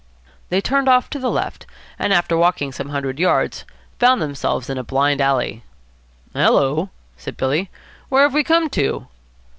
They turned off to the left, and, after walking some hundred yards, found themselves in a blind alley. "Hullo!" said Billy. "Where have we come to?"